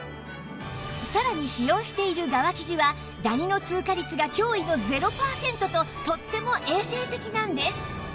さらに使用している側生地はダニの通過率が驚異の０パーセントととっても衛生的なんです